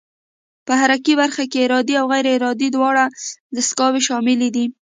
په حرکي برخه کې ارادي او غیر ارادي دواړه دستګاوې شاملې دي.